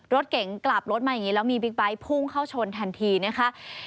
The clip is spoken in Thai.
รถเก๋งกลับรถมาอย่างนี้แล้วมีบิ๊กไบท์พุ่งเข้าชนทันทีนะคะ